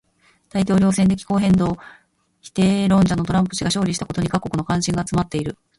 米大統領選で気候変動否定論者のトランプ氏が勝利したことに各国の関心が集まっている。